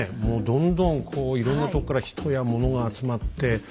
もうどんどんこういろんなとこから人やモノが集まって。